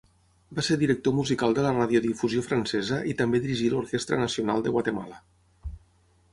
Va ser director musical de la Radiodifusió Francesa i també dirigí l'Orquestra Nacional de Guatemala.